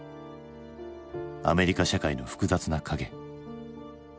アメリカ社会の複雑な影。